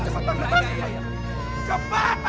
saya takut salah apa apa